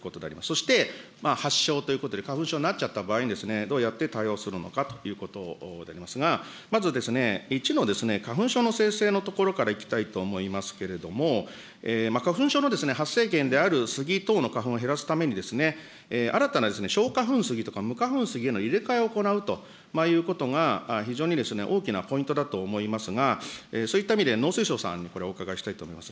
そして、発症ということで、花粉症になっちゃった場合にどうやって対応するのかということでありますが、まず１の花粉症の生成のところからいきたいと思いますけれども、花粉症の発生源であるスギ等の花粉を減らすために、新たな少花粉スギとか無花粉スギへの入れ替えを行うということが非常に大きなポイントだと思いますが、そういった意味で農水省さんにこれ、お伺いしたいと思います。